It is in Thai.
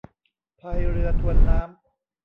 พายเรือทวนน้ำ